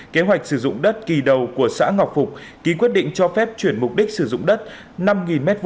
kế hoạch sử dụng đất kỳ đầu của xã ngọc phục ký quyết định cho phép chuyển mục đích sử dụng đất năm m hai